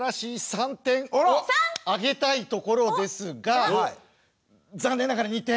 ３点をあげたいところですが残念ながら２点。